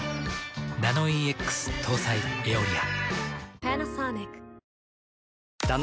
ナノイーＸ搭載「エオリア」。